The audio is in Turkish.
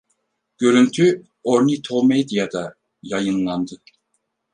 Görüntü Ornithomedia'da yayınlandı.